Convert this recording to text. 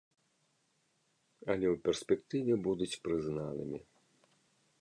Але ў перспектыве будуць прызнанымі.